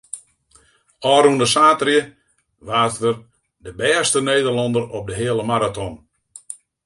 Ofrûne saterdei waard er de bêste Nederlanner op de heale maraton.